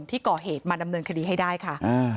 ที่ก่อเหตุมาดำเนินคดีให้ได้ค่ะ